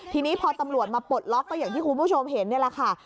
ทีนี้พอตำรวจมาปลดล็อกก็อย่างที่คุณผู้ชมเห็นนี่แหละค่ะ